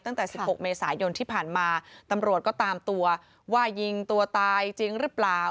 ตั้งแต่๑๖เมษายนที่ผ่านมาตำรวจก็ตามตัวว่ายิงตัวตายจริงหรือเปล่า